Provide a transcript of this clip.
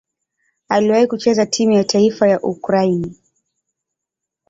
Aliwahi kucheza timu ya taifa ya Ukraine.